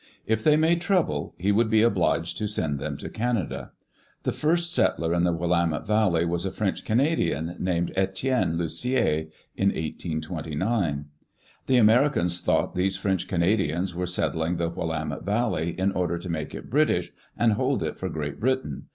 If they made trouble, htrwould be obliged to send them to Canada. The first settler In the Willamette Valley was a French Canadian, named Etienne Lucier, in 1829. The Americans thought these French Canadians were settling the Willamette Valley in order to make it British, and hold it for Great Britain.